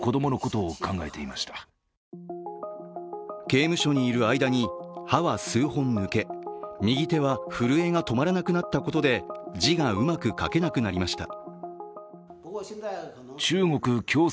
刑務所にいる間に歯は数本抜け、右手は震えが止まらなくなったことで字がうまく書けなくなりました。